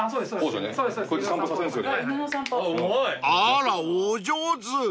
［あらお上手］